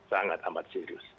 sangat amat serius